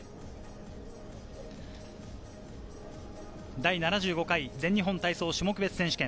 第７５回全日本体操種目別選手権。